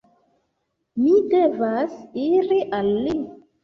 Mi devas iri al li!